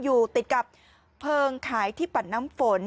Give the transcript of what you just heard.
อยู่ติดกับเพลิงขายที่ปั่นน้ำฝน